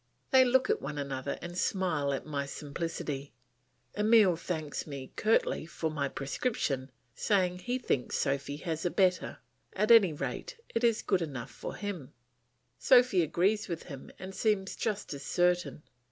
They look at one another and smile at my simplicity. Emile thanks me curtly for my prescription, saying that he thinks Sophy has a better, at any rate it is good enough for him. Sophy agrees with him and seems just as certain.